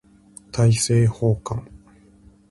大政奉還